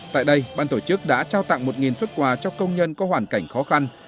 tại đây ban tổ chức đã trao tặng một xuất quà cho công nhân có hoàn cảnh khó khăn